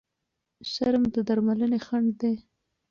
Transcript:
شرم د درملنې خنډ دی.